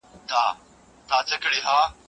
تاسو بايد د سياسي فکرونو تنوع ته درناوی وکړئ.